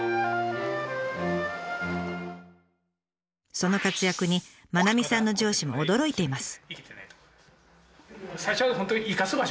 その活躍に愛さんの上司も驚いています。